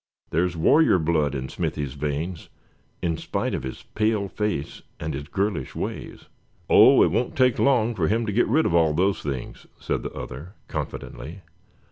There's warrior blood in Smithy's veins, in spite of his pale face, and his girlish ways." "Oh! it won't take long for him to get rid of all those things," said the other, confidently.